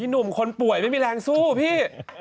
หนุ่มคนป่วยไม่มีแรงสู้พี่